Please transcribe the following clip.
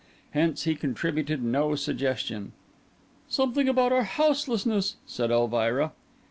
Hence he contributed no suggestion. "Something about our houselessness," said Elvira.